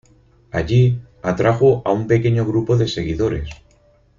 Allí atrajo a un pequeño grupo de seguidores.